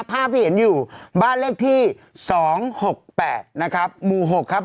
ภาพที่เห็นอยู่บ้านเลขที่๒๖๘นะครับหมู่๖ครับ